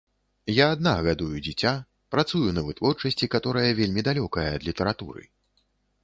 Я адна гадую дзіця, працую на вытворчасці, каторая вельмі далёкая ад літаратуры.